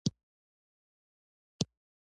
مچان د ناروغیو لامل کېږي